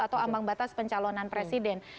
atau ambang batas pencalonan presiden